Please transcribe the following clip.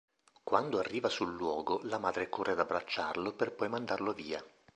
Quando arriva sul luogo, la madre corre ad abbracciarlo per poi mandarlo via.